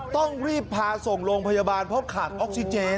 ต้องรีบพาส่งโรงพยาบาลเพราะขาดออกซิเจน